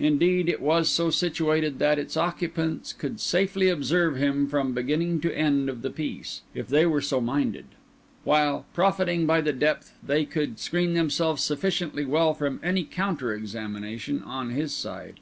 Indeed, it was so situated that its occupants could safely observe him from beginning to end of the piece, if they were so minded; while, profiting by the depth, they could screen themselves sufficiently well from any counter examination on his side.